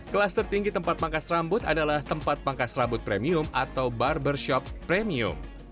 kelas tertinggi tempat pangkas rambut adalah tempat pangkas rambut premium atau barbershop premium